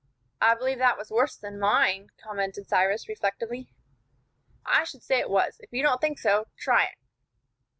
"I believe that was worse than mine," commented Cyrus, reflectively. "I should say it was. If you don't think so, try it."